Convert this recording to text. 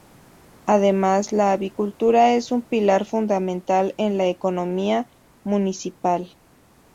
Además, la avicultura es un pilar fundamental en la economía municipal.